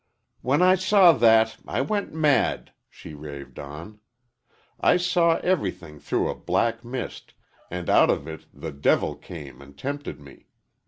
"When I saw that, I went mad," she raved on. "I saw everything through a black mist, and out of it the devil came and tempted me.